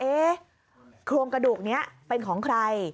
โครงกระดูกนี้เป็นของใคร